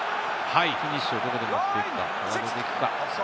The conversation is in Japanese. フィニッシュをどこに持っていくか。